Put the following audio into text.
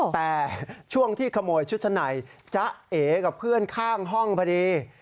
แต่ช่วงที่ขโมยชุดชั้นในจ๊ะเอกับเพื่อนข้างห้องพอดี